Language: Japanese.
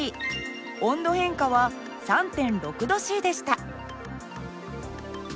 温度変化は３．６℃でした。